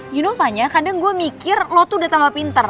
you novanya kadang gue mikir lo tuh udah tambah pinter